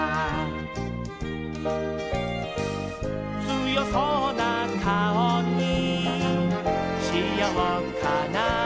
「つよそうな顔にしようかな」